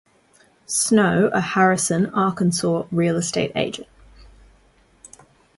Snow, a Harrison, Arkansas real estate agent.